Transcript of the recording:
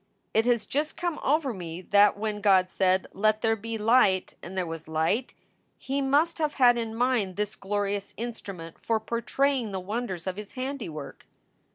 It has just come over me that when God said, Let there be light, and there was light, he must have had in mind this glorious instrument for portraying the wonders of his handiwork.